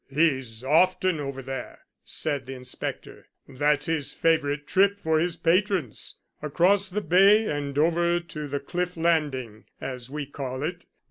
"He's often over there," said the inspector. "That is his favourite trip for his patrons across the bay and over to the cliff landing, as we call it.